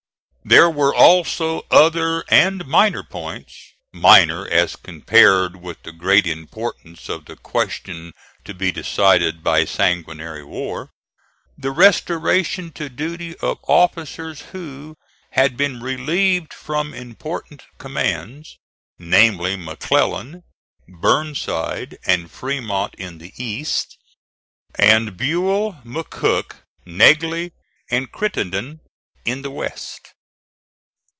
There were also other and minor points, minor as compared with the great importance of the question to be decided by sanguinary war the restoration to duty of officers who had been relieved from important commands, namely McClellan, Burnside and Fremont in the East, and Buell, McCook, Negley and Crittenden in the West.